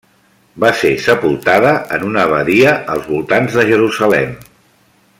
Va ser sepultada en una abadia als voltants de Jerusalem.